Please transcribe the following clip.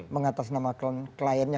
mengatas nama kliennya